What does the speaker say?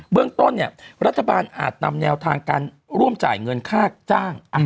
เรื่องต้นเนี่ยรัฐบาลอาจนำแนวทางการร่วมจ่ายเงินค่าจ้าง